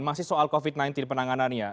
masih soal covid sembilan belas penanganannya